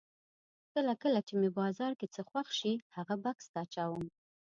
کله کله چې مې بازار کې څه خوښ شي هغه بکس ته اچوم.